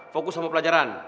fokus sama pelajaran